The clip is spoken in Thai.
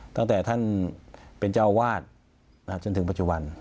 ตั้งแต่ท่านเป็นเจ้าวาดจนถึงปัจจุบัน